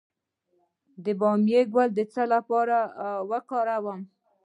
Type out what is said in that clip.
د بامیې ګل د څه لپاره وکاروم؟